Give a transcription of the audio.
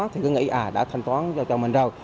thì cứ nghĩ à đã thanh toán được cho mình rồi